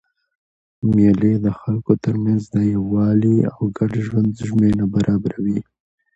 مېلې د خلکو ترمنځ د یووالي او ګډ ژوند زمینه برابروي.